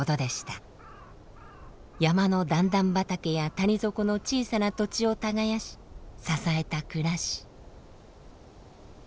山の段々畑や谷底の小さな土地を耕し支えた暮らし。